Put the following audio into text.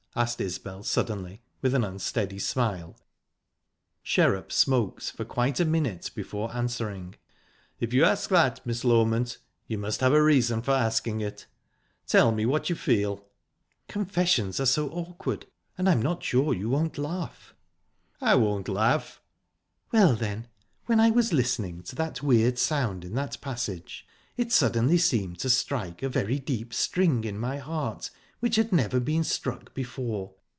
asked Isbel suddenly, with an unsteady smile. Sherrup smoked for quite a minute before answering. "If you ask that, Miss Loment, you must have a reason for asking it. tell me what you feel." "Confessions are so awkward, and I'm not sure you won't laugh." "I won't laugh." "Well, then when I was listening to that weird sound in that passage, it suddenly seemed to strike a very deep string in my heart, which had never been struck before.